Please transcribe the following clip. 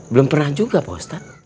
belum pernah juga pak ustadz